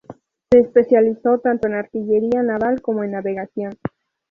Se especializó tanto en artillería naval como en navegación.